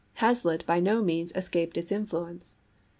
Hazlitt by no means escaped its influence.